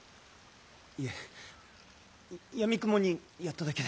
いえやみくもにやっただけで。